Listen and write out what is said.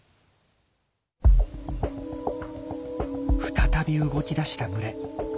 再び動き出した群れ。